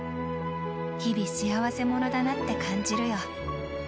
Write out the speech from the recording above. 日々、幸せ者だなって感じるよ！